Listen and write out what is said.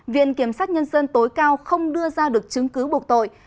viện kiểm sát nhân dân tối cao không đưa ra được chứng cứ buộc tội